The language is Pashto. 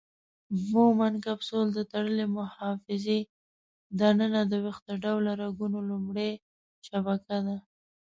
بومن کپسول د تړلې محفظې د ننه د ویښته ډوله رګونو لومړۍ شبکه ده.